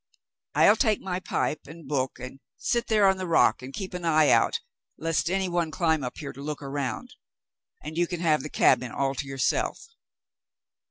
I'll take my pipe and book and sit there on the rock and keep an eye out, lest any one climb up here to look around, and you can have the cabin all to yourself.